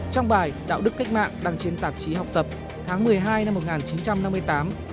trong bài đạo đức cách mạng đăng trên tạp chí học tập tháng một mươi hai năm một nghìn chín trăm năm mươi tám